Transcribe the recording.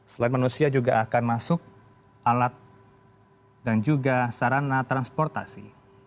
selain manusia juga akan masuk alat dan juga sarana transportasi